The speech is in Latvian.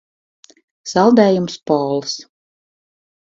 Saldējums Pols.